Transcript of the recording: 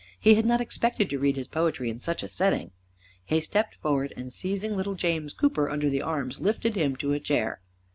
He had not expected to read his poetry in such a setting. He stepped forward, and seizing little James Cooper under the arms lifted him to a chair.